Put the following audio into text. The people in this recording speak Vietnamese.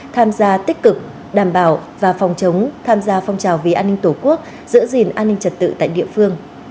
tham gia tích cực đảm bảo và phòng chống tham gia phong trào vì an ninh tổ quốc giữ gìn an ninh trật tự tại địa phương